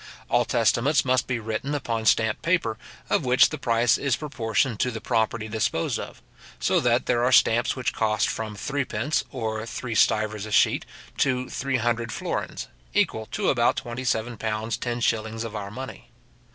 All testaments must be written upon stamped paper, of which the price is proportioned to the property disposed of; so that there are stamps which cost from three pence or three stivers a sheet, to three hundred florins, equal to about twenty seven pounds ten shillings of our money.